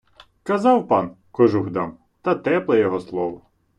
Казав пан: кожух дам, та тепле його слово.